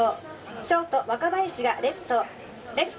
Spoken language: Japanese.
ショート、若林がレフト。